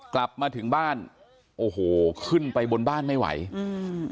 กลับมาถึงบ้านโอ้โหขึ้นไปบนบ้านไม่ไหวอืม